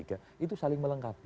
jadi kita harus saling melengkapi